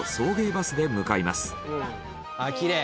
あっきれい！